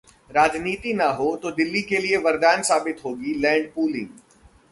राजनीति ना हो तो दिल्ली के लिए वरदान साबित होगी लैंड पूलिंग